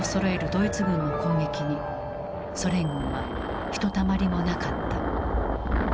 ドイツ軍の攻撃にソ連軍はひとたまりもなかった。